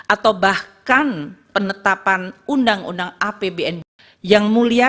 atau bahkan penetapan undang undang apbn yang mulia